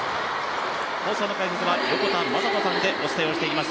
放送の解説は横田真人さんでお伝えしていきます。